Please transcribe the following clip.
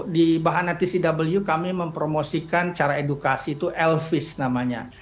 di bahan atcw kami mempromosikan cara edukasi itu elvis namanya